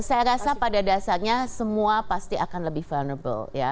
saya rasa pada dasarnya semua pasti akan lebih vulnerable ya